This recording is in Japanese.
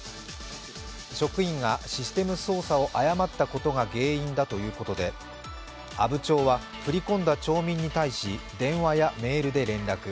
職員がシステム操作を誤ったことが原因だということで、阿武町は振り込んだ町民に対し、電話やメールで連絡。